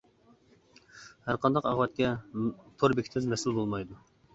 ھەر قانداق ئاقىۋەتكە تور بېكىتىمىز مەسئۇل بولمايدۇ!